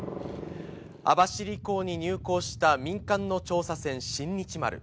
網走港に入港した民間の調査船、新日丸。